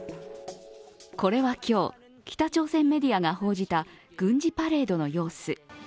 これは今日、北朝鮮メディアが報じた軍事パレードの様子。